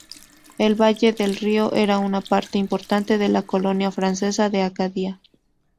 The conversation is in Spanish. El valle del río era una parte importante de la colonia francesa de Acadia.